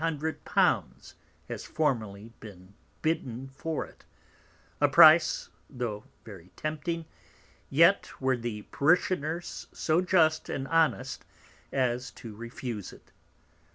_ has formerly been bidden for it, a price, though very tempting, yet were the Parishoners so just and honest as to refuse it.